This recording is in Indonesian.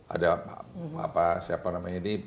ada siapa namanya ini